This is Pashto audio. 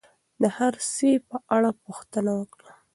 د هر سي په اړه پوښتنه وکړئ.